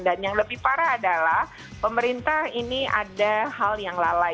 dan yang lebih parah adalah pemerintah ini ada hal yang lalai